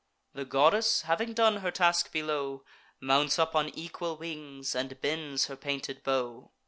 The goddess, having done her task below, Mounts up on equal wings, and bends her painted bow.